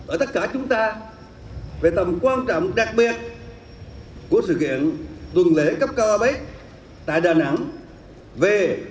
ở tất cả chúng ta về tầm quan trọng đặc biệt của sự kiện tuần lễ cấp cao apec tại đà nẵng về